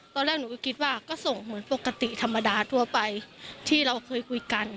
ตอนแรกหนูก็คิดว่าก็ส่งเหมือนปกติธรรมดาทั่วไปที่เราเคยคุยกัน